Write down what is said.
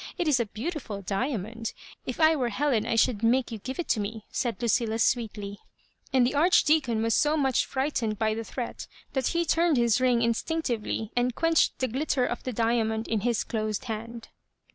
It is a beautiful diamond ; if I were Helen I should make you give it me," said Lucilla. sweetly; and the Arch deacon was so much frightened by Jkhe threat that he turned his ring instinctively, and quench ed the glitter of the diamond in his closed hand.